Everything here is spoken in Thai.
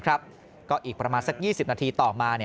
ก็อีกประมาณสัก๒๐นาทีต่อมา